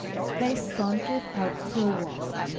They sauntered out for a walk.